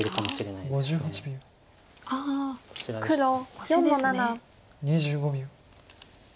２５秒。